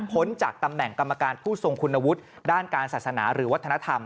จากตำแหน่งกรรมการผู้ทรงคุณวุฒิด้านการศาสนาหรือวัฒนธรรม